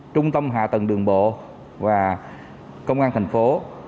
trung tâm hạ tầng đường bộ và công an thành phố